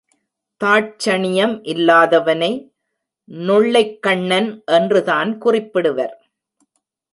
தாட்சணியம் இல்லாதவனை நொள்ளைக்கண்ணன் என்றுதான் குறிப்பிடுவர்.